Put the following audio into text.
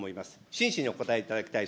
真摯にお答えいただきたい。